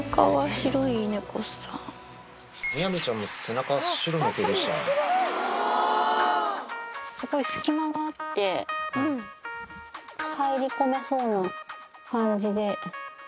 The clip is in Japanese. みやびちゃんも背中、すごい隙間があって、入り込めそうな感じで。